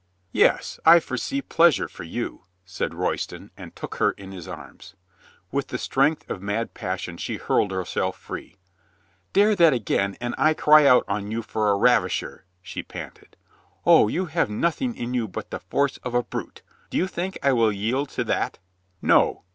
"Yes, I foresee pleasure for you," said Royston and took her in his arms. With the strength of mad passion she hurled her self free. "Dare that again and I cry out on you for a ravisher," she panted. "O, you have nothing in you but the force of a brute. Do you think I will yield to that?" "No.